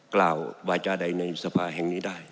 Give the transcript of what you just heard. กล่าววาจาใดในสภาแห่งนี้ได้